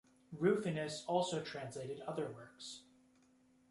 Rufinus also translated other works.